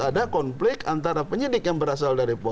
ada konflik antara penyidik yang berasal dari polri